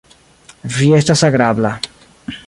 Vi estas agrabla.